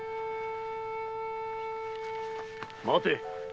待て。